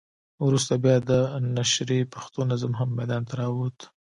وروسته بیا د نشرې پښتو نظم هم ميدان ته راووت.